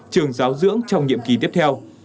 trường giáo dưỡng trong nhiệm kỳ tiếp theo